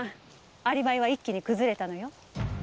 アリバイは一気に崩れたのよ。